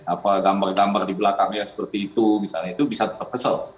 apa gambar gambar di belakangnya seperti itu misalnya itu bisa tetap kesel